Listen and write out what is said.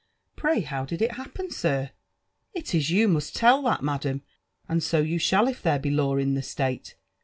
Prty how did It happen, sir?" *• It is yoamust leil that, madam ; and so you shall if there be lew in the elate.